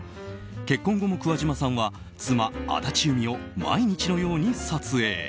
結婚後も桑島さんは妻・安達祐実を毎日のように撮影。